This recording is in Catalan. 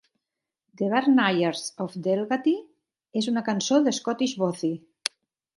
"The Barnyards of Delgaty" és una cançó d"Scottish Bothy.